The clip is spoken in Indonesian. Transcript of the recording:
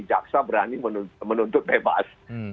jaksa berani menuntut bebas